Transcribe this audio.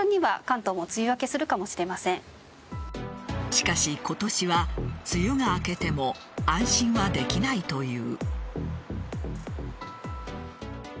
しかし、今年は梅雨が明けても安心はできないという。